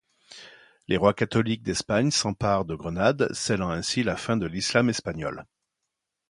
Les Rois Catholiques d'Espagne s'emparent de Grenade, scellant ainsi la fin de l'Islam espagnol.